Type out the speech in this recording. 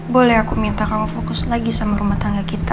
boleh aku minta kamu fokus lagi sama rumah tangga kita